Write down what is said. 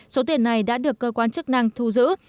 số tiền này đã được cơ quan chức năng thu giữ